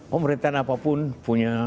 pemerintahan apapun punya